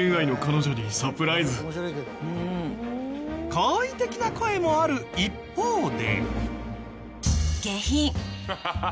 好意的な声もある一方で。